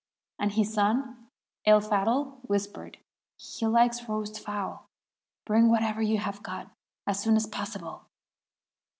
And his son El Fadhl whispered, 'He likes roast fowl; bring whatever you have got as soon as possible.'